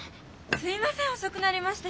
すいません遅くなりまして。